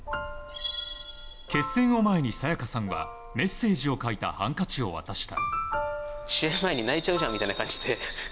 決戦を前に早耶架さんはメッセージを書いたハンカチを渡した。